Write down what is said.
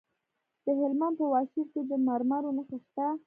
د هلمند په واشیر کې د مرمرو نښې شته.